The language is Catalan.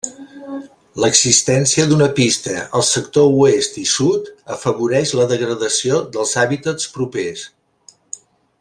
L'existència d'una pista al sector oest i sud afavoreix la degradació dels hàbitats propers.